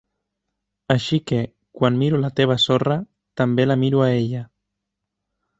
Així que, quan miro la teva sorra, també la miro a ella.